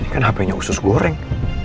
ini kan hp nya usus goreng